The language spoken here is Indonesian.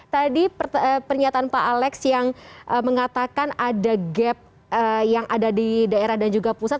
tadi pernyataan pak alex yang mengatakan ada gap yang ada di daerah dan juga pusat